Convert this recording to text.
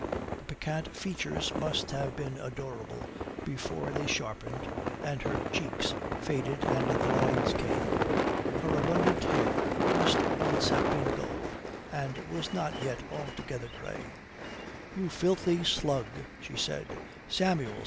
The piquant features must have been adorable before they sharpened and her cheeks faded and the lines came. Her abundant hair must once have been gold, and was not yet altogether grey. "You filthy slug," said she. "Samuel!